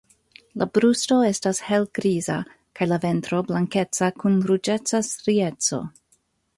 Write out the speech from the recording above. La brusto estas helgriza, kaj la ventro blankeca kun ruĝeca strieco.